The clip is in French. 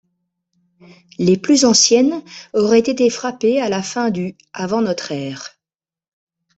Les plus anciennes auraient été frappées à la fin du avant notre ère.